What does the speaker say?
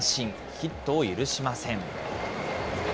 ヒットを許しません。